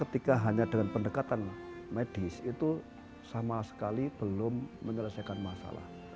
ketika hanya dengan pendekatan medis itu sama sekali belum menyelesaikan masalah